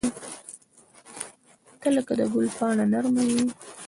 • ته لکه د ګل پاڼه نرمه یې.